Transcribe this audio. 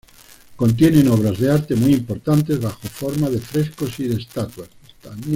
Contienen obras de arte muy importantes bajo forma de frescos y de estatuas.